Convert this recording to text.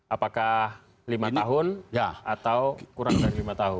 apakah lima tahun atau kurang dari lima tahun